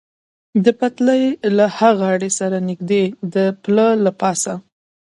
د پټلۍ له ها غاړې سره نږدې د پله له پاسه.